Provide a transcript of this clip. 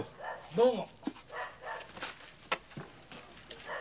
どうも。